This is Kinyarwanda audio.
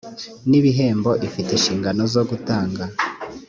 n ibihembo ifite inshingano zo gutanga